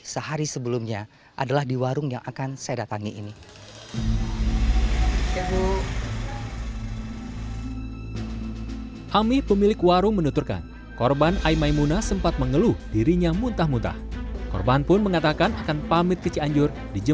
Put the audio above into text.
sebelum kejadian dia kesini